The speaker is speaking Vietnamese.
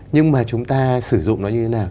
nhưng mà chúng ta sử dụng nó như thế nào